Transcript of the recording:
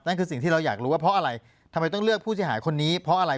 คือสิ่งที่เราอยากรู้ว่าเพราะอะไรทำไมต้องเลือกผู้เสียหายคนนี้เพราะอะไร